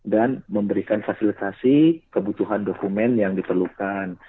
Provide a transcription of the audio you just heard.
dan memberikan fasilitasi kebutuhan dokumen yang diperlukan